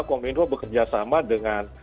komunikasi indonesia bekerja sama dengan